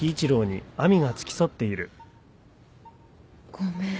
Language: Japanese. ごめん。